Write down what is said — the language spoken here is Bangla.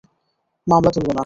মামলা তুলবো না।